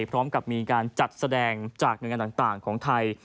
พร้อมกับมีการจัดแสดงจากหน่วยงานต่างของไทย